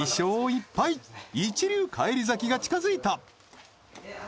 一流返り咲きが近づいた